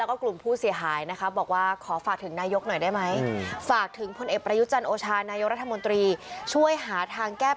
เออเป็นแบบนี้ค่ะ